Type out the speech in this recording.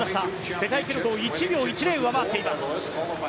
世界記録を１秒１０上回っています。